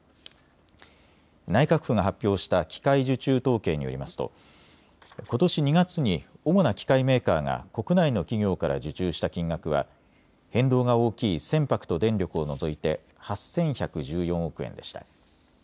内閣府が発表した機械受注統計によりますとことし２月に主な機械メーカーが国内の企業から受注した金額は変動が大きい船舶と電力を除いて８１１４億円でした。